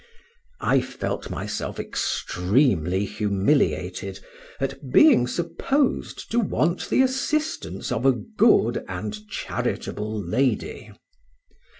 I felt myself extremely humiliated at being supposed to want the assistance of a good and charitable lady.